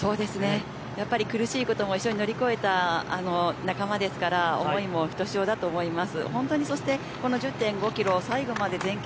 やっぱり苦しいことも一緒に乗り越えた仲間ですから思いもひとしおだと思います。